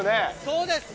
そうです。